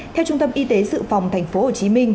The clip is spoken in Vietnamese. theo trung tâm y tế dự phòng thành phố hồ chí minh